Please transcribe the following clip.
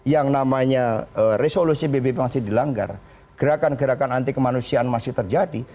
yang namanya resolusi pbb masih dilanggar gerakan gerakan anti kemanusiaan masih terjadi